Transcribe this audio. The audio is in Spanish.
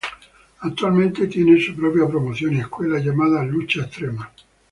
Actualmente tiene su propia promoción y escuela llamada Lucha Extrema.